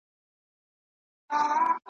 هر وړوکی يې دريادی ,